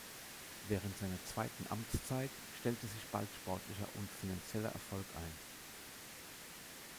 Während seiner zweiten Amtszeit stellte sich bald sportlicher und finanzieller Erfolg ein.